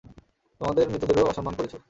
তোমাদের মৃতদেরও অসম্মান করেছো।